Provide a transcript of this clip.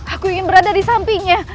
aku ingin berada di sampingnya